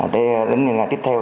đến ngày tiếp theo